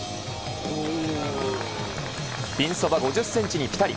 ピンそば５０センチにぴたり。